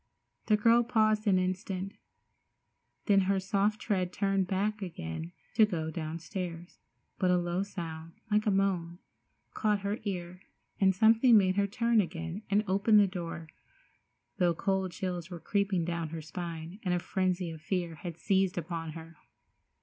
The girl paused an instant, then her soft tread turned back again to go downstairs, but a low sound, like a moan, caught her ear, and something made her turn again and open the door, though cold chills were creeping down her spine, and a frenzy of fear had seized upon her.